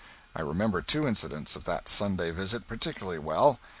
I remember two incidents of that Sunday visit particularly well.